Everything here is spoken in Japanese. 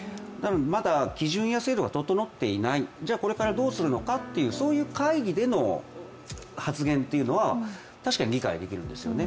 まだ基準や制度が整っていない、じゃ、これからどうするのかという、そういう会議での発言というのは、確かに理解できるんですよね。